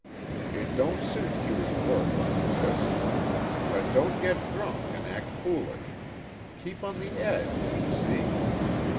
It don't suit you in work like this. But don't get drunk and act foolish. Keep on the edge. See?